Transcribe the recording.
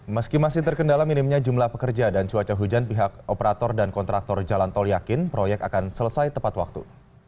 meski masih terkendala minimnya jumlah pekerja dan cuaca hujan pihak operator dan kontraktor jalan tol yakin proyek akan selesai tepat waktu